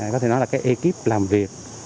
có thể nói là cái ekip làm việc